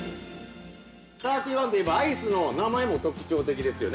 ◆サーティワンといえばアイスの名前も特徴的ですよね。